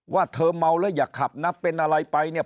ว่าเธอเมาแล้วอย่าขับนะเป็นอะไรไปเนี่ย